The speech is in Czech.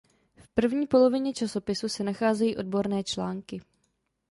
V první polovině časopisu se nacházejí odborné články.